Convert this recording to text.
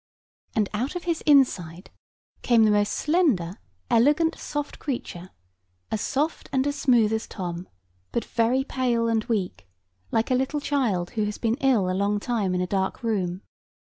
And out of his inside came the most slender, elegant, soft creature, as soft and smooth as Tom: but very pale and weak, like a little child who has been ill a long time in a dark room.